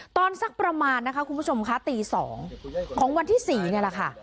สักประมาณนะคะคุณผู้ชมค่ะตี๒ของวันที่๔นี่แหละค่ะ